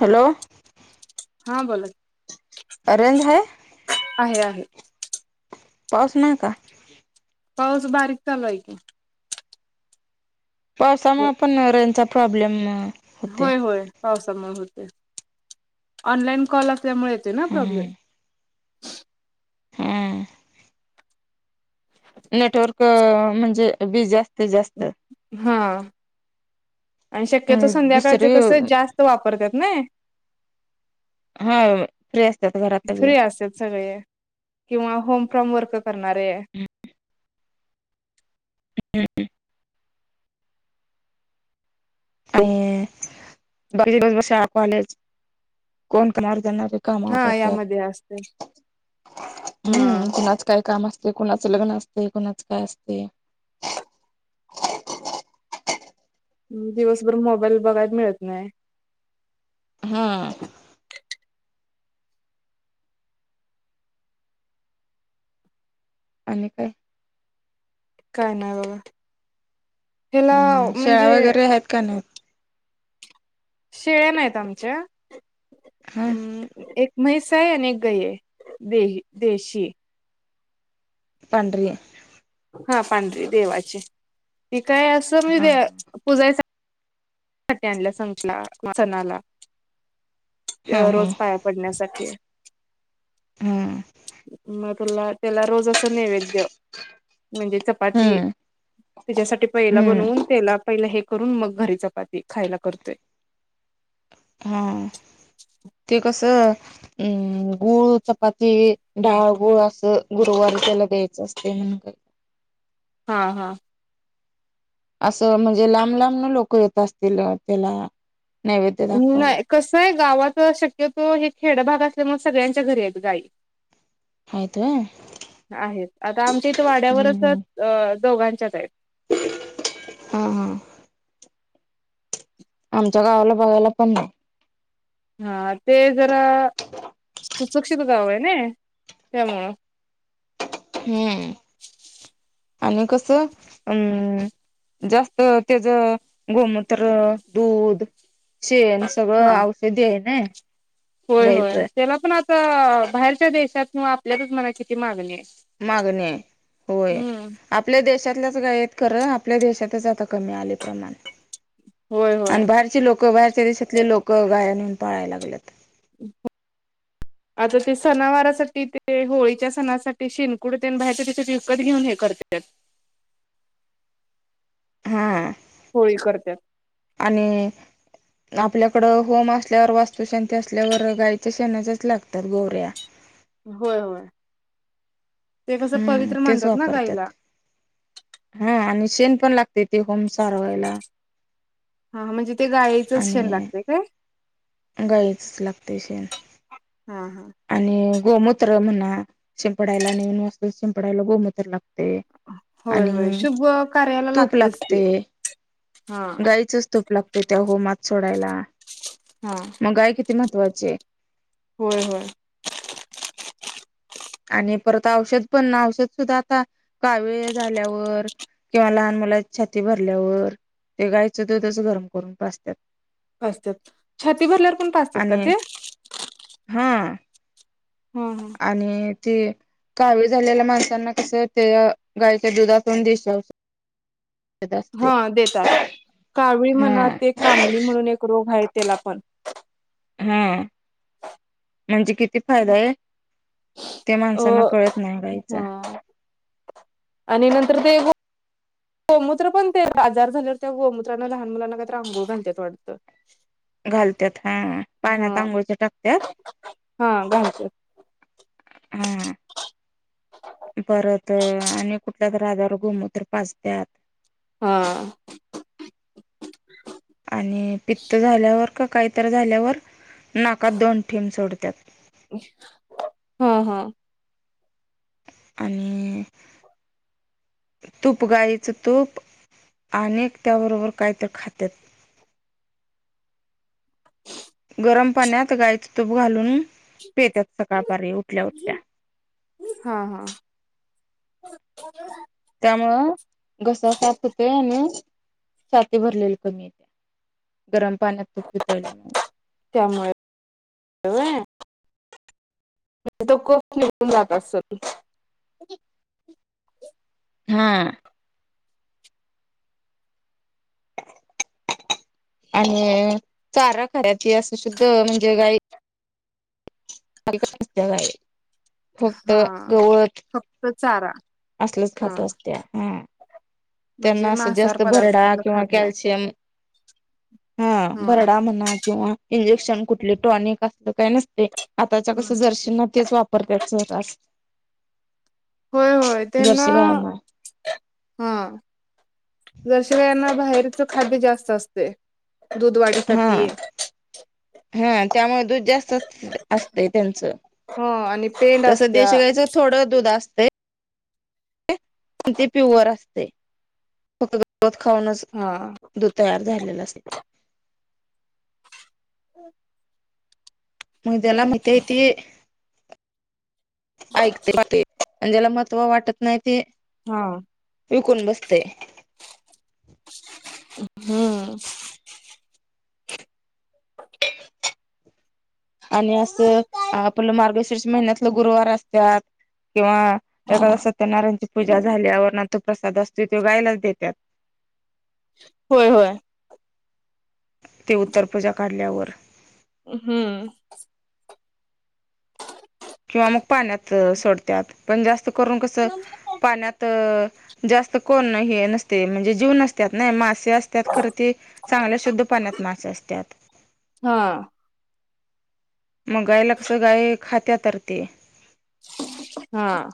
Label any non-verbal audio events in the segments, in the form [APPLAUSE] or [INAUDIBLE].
Hello. हां बोला. अ रेंज हे? आहे आहे. पाऊस नाही का? पाऊस बारीक चालू हाय की. पावसामुळे पण रेंचा प्रॉब्लेम होते होय होय पावसामुळ होते ऑनलाईन कॉल असल्यामुळे येतोय ना हम्म प्रॉब्लेम. हम्म. नेटवर्क म्हणजे बीजी असतय जास्त. हां, आणि शक्यतो संध्याकाळच दुसरी कस जास्त वापरत्यात नाही. हा फ्री असतात घरात सगळी फ्री असत्यात सगळे. किंवा होम फ्रॉम वर्क करणारे. [INAUDIBLE] [UNINTELLIGIBLE] [UNINTELLIGIBLE] कामाव जात्यात हा यामध्ये असते हा. हम्म कुणाचं काय काम असत ते, कुणाचं लग्न असते, कुणाच काय असते. दिवसभर मोबाईल बघायला मिळत नाही. हम्म. आणि काय? काय नाही बघा, हीला हम्म शेळा म्हणजे वगैरे आहेत का नाही? शेळ्या नाहीत आमच्या, हा म् एक म्हैस हाय आणि एक गयीं हाय दे देशी. पांडरी हाय. हा पांढरी देवाची, ती काय असं हा म्हणजे पूजाय साठी आणल्या संकला सणाला, हा हा हा रोज पाया पडण्यासाठी. हम्म. मग तुला त्याला रोज असं नैवेद्य. म्हणजे चपाती हम्म त्याच्यासाठी पहिला हम्म बनवून त्याला पहिला हे करून, मग घरी चपाती खायला करते. हा हा. ते कसं? अम् गूळ चपाती, डाळ गूळ असं, गुरुवारी त्याला द्यायचं असते म्हणत्या. हा हा. असं म्हणजे लांब लांब लोक येत असतील, त्याला नैवेद्य दाखवायला नाही. कसं आहे गावाकडं शक्यतो, हे खेडभाग असल्यामुळे सगळ्यांच्या घरी आहेत गाई. आहेत व्हंय. आहेत. आता आमच्या इथं वाड्यावरच हम्म अ दोघांच्याच आहेत. [INAUDIBLE] हा हा. आमच्या गावाला बघायला पण नाही. हा. ते जरा [INAUDIBLE] सुशिक्षित गाव आहे ना त्यामुळं. हम्म. [INAUDIBLE] आणि कसं? अम् जास्त त्याच गोमूत्र, दूध शेन सगळं हा औषधी आहे ना. होय होय. गाईचं त्याला पण आता, बाहेरच्या देशातन आपल्यातच मणा किती मागणी आहे. मागणी आहे होय. हम्म. आपल्या देशातल्याच गाई आहेत खरं. आपल्या देशातच आता कमी आले प्रमाण. होय [INAUDIBLE] आणि होय. बाहेरचे लोक, बाहेरच्या देशातले लोक गाय आणून पाळायला लागल्यात. हम् आता ते सणावारसाठी, ते होळीच्या सणासाठी, शिनकुड ते बाहेरच्या देशात विकत घेऊन येत करण्यात. हा होळी करत्यात. आणि आपल्याकडं होम असल्यावर, वास्तुशांती असल्यावर, गाईच्या शेणाच्याच लागतात गोवऱ्या. होय होय. [INAUDIBLE] ते कसं हम्म पवित्र तेच म्हणतात ना गाईला. वापरतात हा. आणि शेण पण लागते, ते होम सारवायला. हा. म्हणजे ते गाईचच शेण आणि लागते काय? गाईचच लागते शेन. [INAUDIBLE] हा हा. आणि गोमूत्र म्हणा, शिंपडायला नवीन वास्तु शिंपडायला गोमूत्र लाग ते होय होय आणि शुभ कार्याला तूप लागतच ते लागते, हा. गाईचंच तूप लागते. त्या होमात सोडायला. हा. गाय किती महत्वाची आहे? होय होय. आणि परत औषध पण, औषध सुद्धा आता कावीळ झाल्यावर किंवा लहान मुलाची छाती भरल्यावर, ते गायचं दूधच गरम करून पाजतात. पाजत्यात. छाती भरल्यावर पण पाजतात का आणि ते? हा. हम् हम. आणि, ते कावीळ झालेल्या माणसांना कसं, ते गायच्या दुधातून दिशाव हा देतात. कावळी हा म्हणा, ते कामणी म्हणून एक रोग आहे त्याला पण. हा. म्हणजे किती? फायदाये. ते माणसांना अ कळत नाही रायचा. हा आणि नंतर ते गोमूत्र पण ते आजार झालेवर, त्या गोमूत्रानं लहान मुलांना काही तर अंघोळ घालत्यात वाटतं. घालत्यात ह. पाण्यात हा आघोळीच्या टाकतात. हा घालत्यात हा. परत आणि कुठल्याच आजारावर गोमुत्र पाचत्यात. हा. आणि पित्त झाल्यावर का, काहीतरी झाल्यावर. नाकात दोन थेंब सोडतात. ह ह. आणि तूप गायीचं तूप. आणि एक त्याबरोबर काहीतरी खातात. गरम पाण्यात गाईचं तूप घालून, पेतात सकाळपारी उठल्या उठल्या. हा हा हा. त्यामुळं घसा साफ होतय. आणि छाती भरलेले कमी येते. गरम पाण्यात तुप वितळल्यामुळे. त्यामुळे व्हय? तो कप निघून जात असल. हा. आणि चारा खऱ्याची, असं शुद्ध म्हणजे गायी [UNINTELLIGIBLE] गाई. फक्त गवत त चारा. असलच हा खात असत्या. हम्म. म्हणजे त्यांना असं मांसाहार जास्त पदार्थ भरडा कुठलं किंवा खात नाही. कॅल्शियम ह, हा भरडा म्हणा किंवा इंजेक्शन कुठले. टॉनिक असतय का नसतय? आताच्या कसं मस्त जर्शींना तेच वापर पर त्यात सररास. होय होय. त्यांना, जर्शी गायांना हा. जर्सीगाई ना बाहेरच खाद्य जास्त असते. दूध हा वाढीसाठी. हा त्यामुळे दूध जास्तच असतय त्यांचं. हो आणि पेंड असत्या. थोड दुध असतय. आणि ते प्युअर असते. फक्त गवत खाऊनच हा दूध तयार झालेलं असते. [INAUDIBLE] मग त्याला माहीतीय ती ऐकते. ज्याला महत्त्व वाटत नाही ते हा. विकून बसतय. हम्म. आणि असं आपलं मार्गशीर्ष महिन्यातलं गुरुवार असत्यात. किंवा एखादा सत्यनारायणची पूजा झाल्यावर तो प्रसाद असतोय तो गायलाच देतात. होय होय. ते उत्तरपूजा काढल्यावर. हम्म. किंवा मग पाण्यात सोडत्यात पण जास्त करून कसं हा पाण्यात जास्त कोण हे नसते म्हणजे जीव नसत्यात नाही मासे असत्यात खरं ते चांगल्या शुद्ध पाण्यात मासे असत्यात. हा. मग गायला कसं, गाय खात्या तर ते. हा.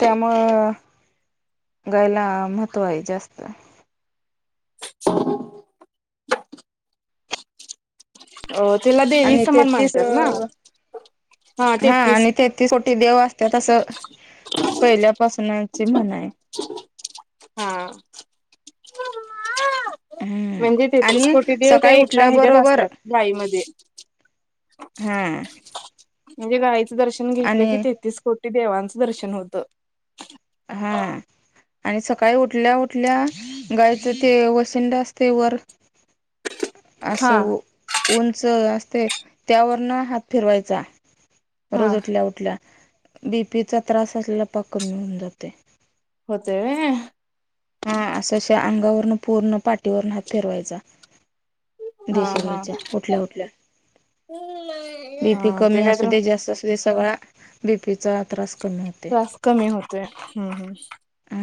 त्यामुळं गाईला महत्व आहे जास्त. अ तिला देवी आणि समान तेतीस मानतात ना हा आणि ते तीस कोटी देव असत्यात असं पहिल्यापासूनची म्हण आहे. हा. हम्म म्हणजे तेहतीस आणि कोटी देव त्या सकाळी एका ह्याच्यात उठल्याबरोबर असतात गाईमध्ये. हा. म्हणजे गायीचं दर्शन घेतलं आणि की तेहतीस कोटी देवांचं दर्शन होतं. हा. आणि सकाळी उठल्या उठल्या गायीच ते वसिंड असतंय वर हा असं उंच असतंय त्यावरन हात फिरवायचा हा रोज उठल्या उठल्या बी पी चा त्रास असल्याला पाक कमी होऊन जातोय. होतोय होय. हा असाशा अंगावरनं पूर्ण पाठीवरनं हात फिरवायचा. हा देशी हा गाईच्या उठल्या उठल्या. बी पी हा ते कमी काय असू तर दे जास्त असू दे सगळा बी पी चा त्रास कमी होते त्रास कमी होतोय हम्म हम्. अ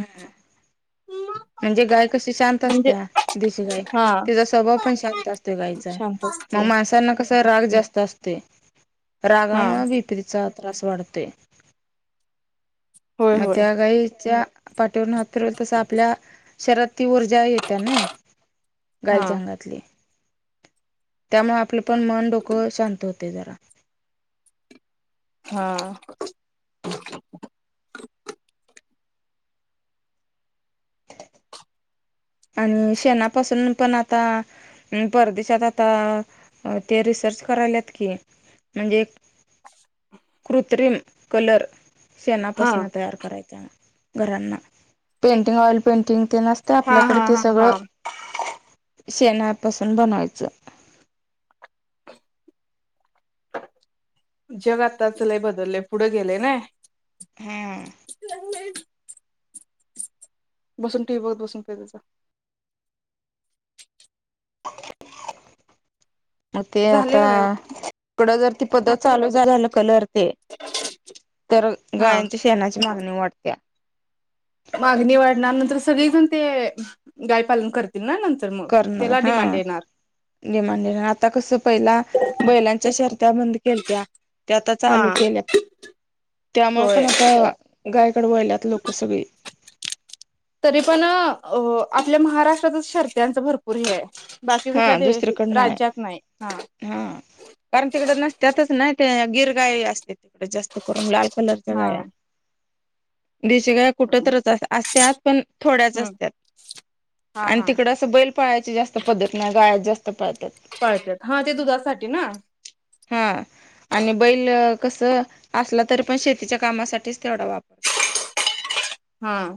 म्हणजे गाय कशी शांत म्हणजे असत्या देशी गाय, हा तिचा स्वभाव पण शांत असतो गाईचा. शांत मग असतोय माणसांना कसं राग जास्त असतोय हा रागामुळं बी पी चा त्रास वाढतोय होय मग होय त्या गाईच्या पाठीवरनं हात फिरवलं तसं आपल्या शरीरात ती ऊर्जा येत्या नाही हा गाईच्या अंगातली. त्यामुळं आपलं पण मन डोकं शांत होतंय जरा. हा. आणि शेणापासून पण आता परदेशात आता ते रिसर्च कराल्यात की म्हणजे कृत्रिम कलर हा शेणापासनं तयार करायचा घरांना पेंटिंग ऑइल पेंटिंग तेन अस हा हा हा हा. शेणापासून बनवायचं. जग आत्ताच लय बदललंय पुढं गेलेय नाही. हम्म. [UNINTELLIGIBLE] बसून टी व्ही बघत बसून पी जा जा. म ते झाले आता का नाही इकडं जर ती पध्दत चालू झाले कलर ते तर हा गायांच्या शेणाची मागणी वाढत्या. मागणी वाढणार नंतर सगळेजण ते गायपालन करतील ना नंतर मग करणार त्याला हा. डिमांड येणार डिमांडय. आता कसं पहिला बैलांच्या शर्त्या बंद केलत्या. ते आता हा चालू केल्या, त्यामुळे पण होय आता गायकडं वळल्यात लोकं सगळी. तरी पण आपल्या महाराष्ट्रातच शर्त्यांच भरपूर हे आहे. बाकी कुठल्या हा दे दुसरीकड राज्यात नाही, हा. हा कारण तिकड नसत्यातच नाही, ते गिरगाय असते तिकडे जास्त. करून लाल कलरच्या हा गाया, देशी गाया कुठ हम्म तरच असत्यात. पण थोड्याच असत्यात. हा आणि हा तिकड असं बैल पाळायचे जास्त पद्धती नाय. गाया जास्त पाळत्यात. पाळत्यात. हा ते दुधासाठी ना. हां. आणि बैल कसं असला तरी पण, शेतीच्या कामासाठीच तेवढा हां.